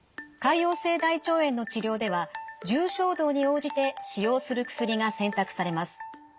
潰瘍性大腸炎の治療では重症度に応じて使用する薬が選択されます。